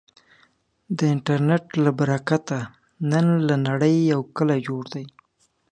د انټرنټ له برکته، نن له نړې یو کلی جوړ دی.